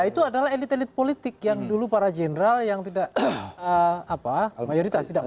itu adalah elit elit politik yang dulu para jeneral yang tidak puas dengan